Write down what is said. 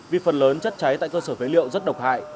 vì phần lớn chất cháy tại cơ sở phế liệu rất độc hại